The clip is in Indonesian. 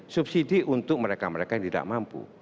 subsidi untuk mereka mereka yang tidak mampu